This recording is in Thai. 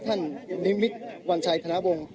ท่านนิมิตวัญชัยธนบง